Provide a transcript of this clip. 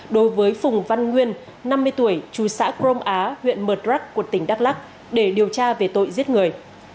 đối với phùng văn nguyên năm mươi tuổi chùi xã crom á huyện mật rắc của tỉnh đắk lắc để điều tra về tội giết người